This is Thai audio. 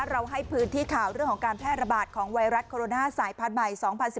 ให้พื้นที่ข่าวเรื่องของการแพร่ระบาดของไวรัสโคโรนาสายพันธุ์ใหม่๒๐๑๙